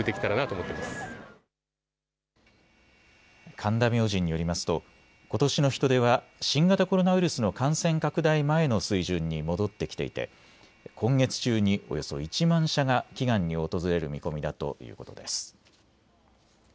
神田明神によりますとことしの人出は新型コロナウイルスの感染拡大前の水準に戻ってきていて今月中におよそ１万社が祈願に訪れる見込みだということです。